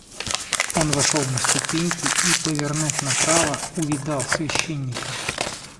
Он вошел на ступеньки и, повернув направо, увидал священника.